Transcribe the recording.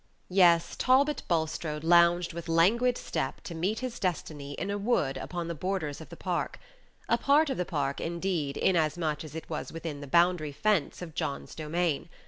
Yes, Talbot Bulstrode lounged with languid step to meet his destiny in a wood upon the borders of the Park a part of the Park, indeed, inasmuch as it was within the boundary fence of John's domain.